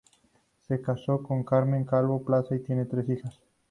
Se casó con Carmen Calvo Plaza y tienen tres hijas.